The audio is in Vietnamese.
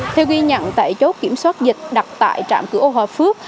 theo ghi nhận tại chốt kiểm soát dịch đặt tại trạm cửa âu hòa phước